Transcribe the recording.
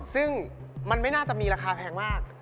ซึ่งมันไม่น่าจะมีราคาแพงมาก